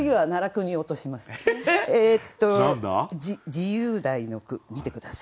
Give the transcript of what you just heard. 自由題の句見て下さい。